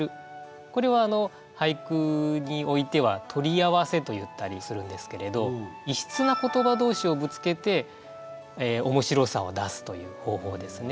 これは俳句においては取り合わせと言ったりするんですけれど異質な言葉同士をぶつけて面白さを出すという方法ですね。